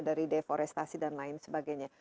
dari deforestasi dan lain sebagainya